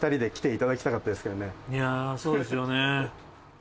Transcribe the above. いやそうですよね。